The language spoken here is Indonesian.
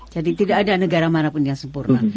jadi tidak ada negara manapun yang sempurna